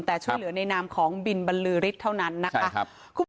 แต่ช่วยเหลือในนามของบินบรรลือฤทธิ์เท่านั้นนะคะ